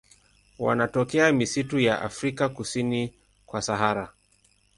Wanatokea misitu ya Afrika kusini kwa Sahara.